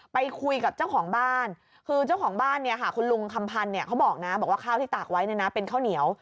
ไปคุยกับเจ้าของบ้านคือเจ้าของบ้านเนี่ยค่ะคุณลุงคำพันธ์เขาบอกนะบอกว่าข้าวที่ตากไว้เนี่ยนะเป็นข้าวเหนียว